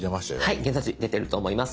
はい現在地出てると思います。